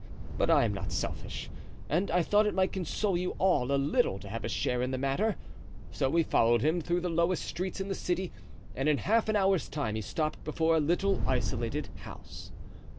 But I am not selfish, and I thought it might console you all a little to have a share in the matter. So we followed him through the lowest streets in the city, and in half an hour's time he stopped before a little isolated house.